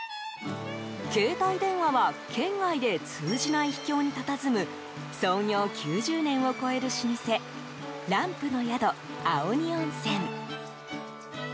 携帯電話は圏外で通じない秘境にたたずむ創業９０年を超える老舗ランプの宿青荷温泉。